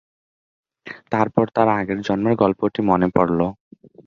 তারপর তার আগের জন্মের গল্পটি মনে পড়ল।